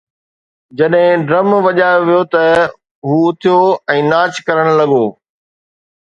جڏهن ڊرم وڄايو ويو ته هو اٿيو ۽ ناچ ڪرڻ لڳو